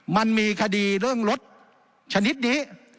มันมีคดีเรื่องรถชนิดนี้